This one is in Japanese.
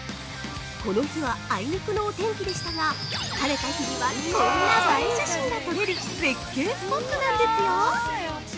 ◆この日はあいにくのお天気でしたが晴れた日にはこんな映え写真が撮れる絶景スポットなんですよ◆